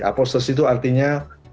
apostasi itu artinya